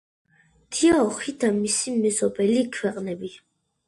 დიაოხი და მისი მეზობელი ქვეყნები